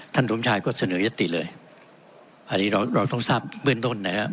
สมชายก็เสนอยติเลยอันนี้เราเราต้องทราบเบื้องต้นนะครับ